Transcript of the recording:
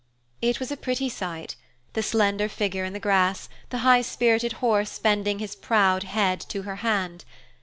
It was a pretty sight the slender figure in the grass, the high spirited horse bending his proud head to her hand.